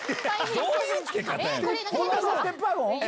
どういう付け方や。